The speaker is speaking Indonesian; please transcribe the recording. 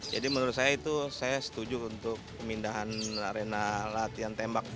jadi menurut saya itu saya setuju untuk pindahan arena latihan tembak